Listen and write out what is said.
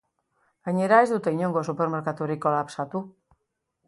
Gainera, ez dute inongo supermerkaturik kolapsatu.